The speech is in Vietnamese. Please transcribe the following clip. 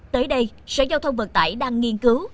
tới đây sở giao thông vận tải đang nghiên cứu